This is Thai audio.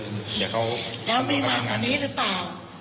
แล้วมีมากกว่านี้หรือเปล่า